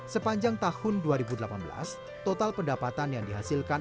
sepanjang tahun dua ribu delapan belas total pendapatan yang dihasilkan